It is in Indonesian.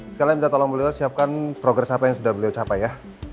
sekali minta tolong beliau siapkan progres apa yang sudah beliau capai ya